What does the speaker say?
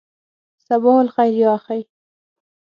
صباح الخیر یا اخی.